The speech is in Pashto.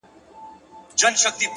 عاجزي دروازې پرانیزي.!